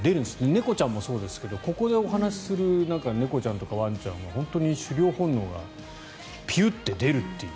猫ちゃんもそうですがここでお話しする猫ちゃんとかワンちゃんは本当に狩猟本能がピュッて出るっていう。